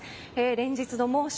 連日の猛暑